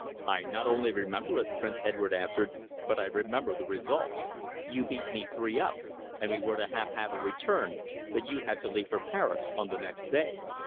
"I not only remember it," Prince Edward answered, "but I remember the result. You beat me three up, and we were to have had a return, but you had to leave for Paris on the next day."